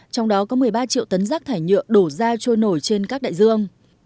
trong đó có một mươi ba triệu tấn rác thải nhựa đổ ra trôi nổi trên các đại dương